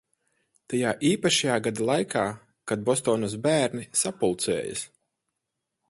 Tajā īpašajā gada laikā, kad Bostonas bērni sapulcējas.